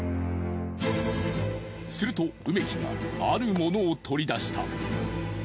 すると梅木があるものを取り出した。